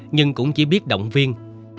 nhưng cũng chỉ biết động viên